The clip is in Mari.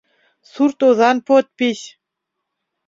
Сурт озан подпись:»